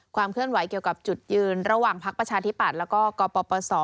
เคลื่อนไหวเกี่ยวกับจุดยืนระหว่างพักประชาธิปัตย์แล้วก็กปศ